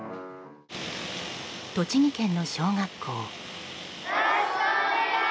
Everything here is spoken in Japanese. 栃木県の小学校。